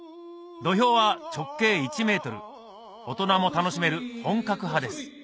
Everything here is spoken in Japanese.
土俵は直径１ｍ大人も楽しめる本格派です